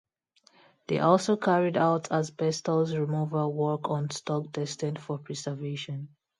They also carried out asbestos removal work on stock destined for preservation.